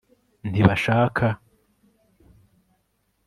ntibashaka